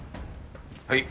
はい。